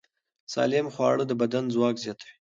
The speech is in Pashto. سالم خواړه د بدن ځواک زیاتوي.